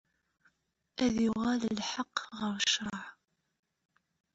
Ad d-yuɣal lḥeqq ɣer ccreɛ.